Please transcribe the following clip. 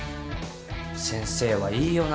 先生はいいよな。